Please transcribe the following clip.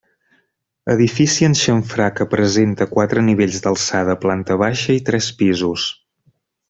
Edifici en xamfrà que presenta quatre nivells d'alçada, planta baixa i tres pisos.